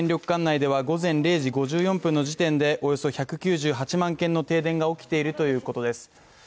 管内では午前０時５４分の時点でおよそ１９８万軒の停電が起きているということです。